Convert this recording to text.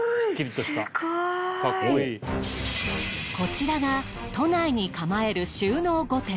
こちらが都内に構える収納御殿。